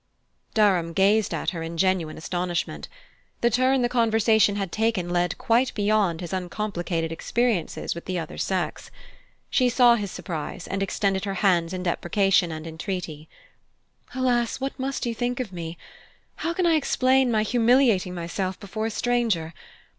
Durham gazed at her in genuine astonishment. The turn the conversation had taken led quite beyond his uncomplicated experiences with the other sex. She saw his surprise, and extended her hands in deprecation and entreaty. "Alas, what must you think of me? How can I explain my humiliating myself before a stranger?